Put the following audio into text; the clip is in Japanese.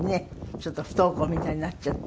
ちょっと不登校みたいになっちゃって。